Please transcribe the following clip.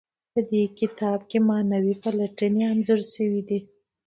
په دې کتاب کې معنوي پلټنې انځور شوي دي.